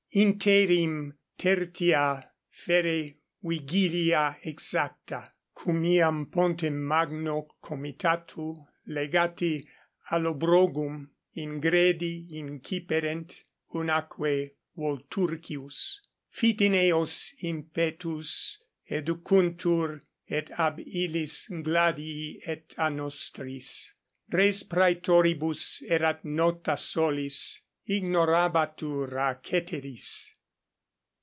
Interim 6 tertia fere vigilia exacta, cum iam pontem magno comitatu legati Allobrogum ingredi inciperent unaque Volturcius, fit in eos impetus; educuntur et ab illis gladii et a nostris. Res praetoribus erat nota solis, ignorabatur a ceteris.